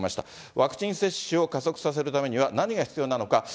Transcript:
ワクチン接種を加速させるためには何が必要なのか。